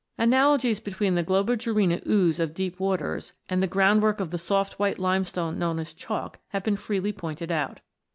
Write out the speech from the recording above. Analogies between the Globigerina ooze of deep waters and the groundwork of the soft white limestone known as Chalk have been freely pointed out.